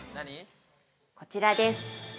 ◆こちらです。